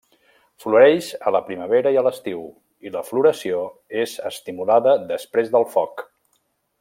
Floreix a la primavera i a l'estiu, i la floració és estimulada després del foc.